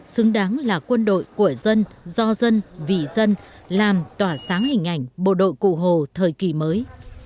xứng đáng là quân đội của dân do dân vì dân làm tỏa sáng hình ảnh bộ đội cụ hồ thời kỳ mới